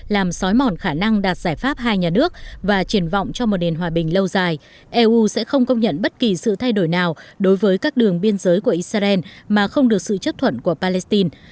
làm sói mòn khả năng đạt giải pháp hai nhà nước và triển vọng cho một nền hòa bình lâu dài eu sẽ không công nhận bất kỳ sự thay đổi nào đối với các đường biên giới của israel mà không được sự chấp thuận của palestine